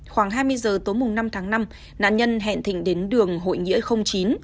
khoảng hai mươi giờ tối năm tháng năm nạn nhân hẹn thịnh đến đường hội nghĩa chín